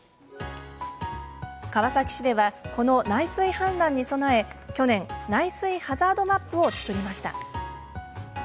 川崎市では、この内水氾濫に備え去年、内水ハザードマップを作りました。